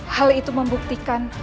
hal itu membuktikan